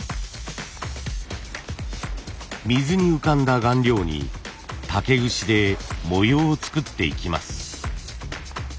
水に浮かんだ顔料に竹串で模様を作っていきます。